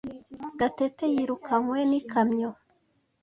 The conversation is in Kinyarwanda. Gatete yirukanywe n'ikamyo.